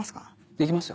できますよ。